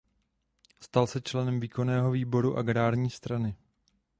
Stal se členem výkonného výboru agrární strany.